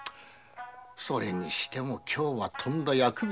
それにしても今日はとんだ厄日。